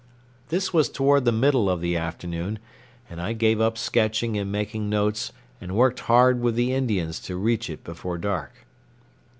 This was toward the middle of the afternoon, and I gave up sketching and making notes and worked hard with the Indians to reach it before dark.